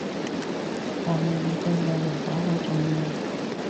但係你對我嚟講好重要